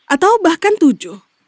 atau bahkan tujuh